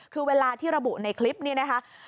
คือเวลาที่ระบุในคลิปนี้นะคะ